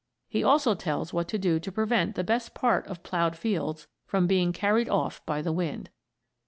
He also tells what to do to prevent the best part of ploughed fields from being carried off by the wind.